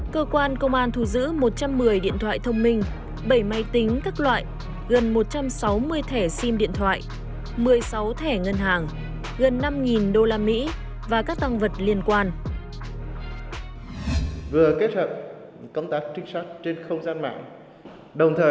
cơ quan công an thu giữ một trăm một mươi điện thoại thông minh bảy máy tính các loại gần một trăm sáu mươi thẻ sim điện thoại một mươi sáu thẻ ngân hàng gần năm usd và các tăng vật liên quan